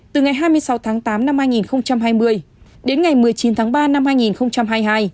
từ ngày hai mươi sáu tháng tám năm hai nghìn hai mươi đến ngày một mươi chín tháng ba năm hai nghìn hai mươi hai